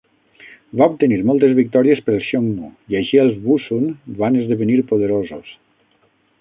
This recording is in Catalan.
Va obtenir moltes victòries pels xiongnu i així els wu-sun van esdevenir poderosos.